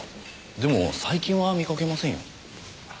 でも最近は見かけませんよ。